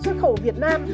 xuất khẩu việt nam